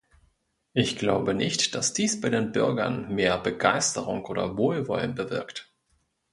Ich glaube nicht, dass dies bei den Bürgern mehr Begeisterung oder Wohlwollen bewirkt.